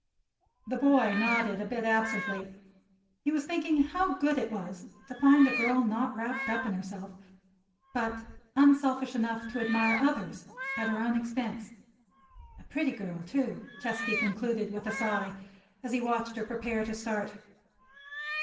The boy nodded, a bit absently. He was thinking how good it was to find a girl not wrapped up in herself, but unselfish enough to admire others at her own expense. A pretty girl, too, Chesty concluded with a sigh, as he watched her prepare to start.